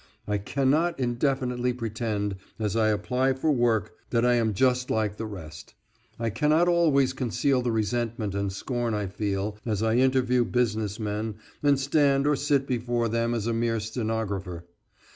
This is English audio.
I cannot indefinitely pretend as I apply for work that I am just like the rest. I cannot always conceal the resentment and scorn I feel as I interview business men and stand or sit before them as a mere stenographer.